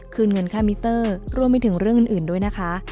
เงินค่ามิเตอร์รวมไปถึงเรื่องอื่นด้วยนะคะ